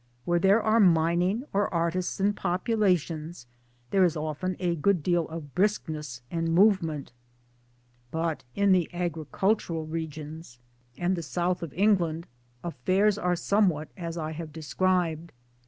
tWhere there are mining or artisan populations there is often a good deal of briskness and movement*; tout in the agricultural regions and MY DAYS AND DREAMS the South of England affairs are somewhat as I have described.